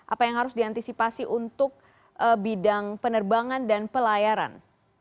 apa yang harus diantisipasi untuk bidang penerbangan dan pelayaran